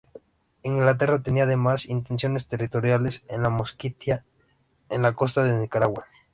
Inglaterra tenía además intenciones territoriales en la Mosquitia, en la costa de Nicaragua.